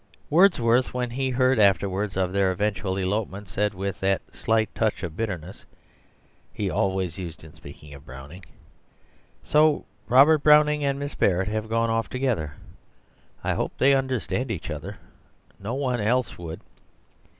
Wordsworth when he heard afterwards of their eventual elopement said with that slight touch of bitterness he always used in speaking of Browning, "So Robert Browning and Miss Barrett have gone off together. I hope they understand each other nobody else would."